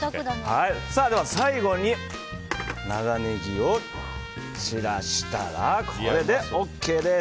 最後に長ネギを散らしたらこれでＯＫです。